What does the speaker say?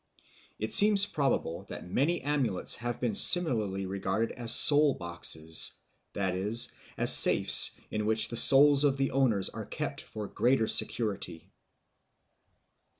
It seems probable that many amulets have been similarly regarded as soul boxes, that is, as safes in which the souls of the owners are kept for greater security.